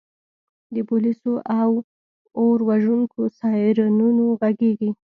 د پولیسو او اور وژونکو سایرنونه غږیږي